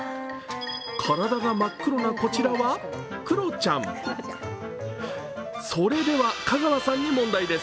体が真っ黒なこちらは、クロちゃんそれでは香川さんに問題です。